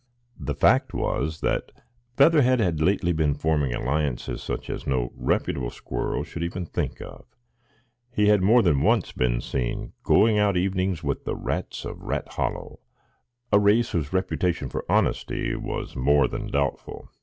The fact was that Featherhead had lately been forming alliances such as no reputable squirrel should even think of. He had more than once been seen going out evenings with the Rats of Rat Hollow,—a race whose reputation for honesty was more than doubtful.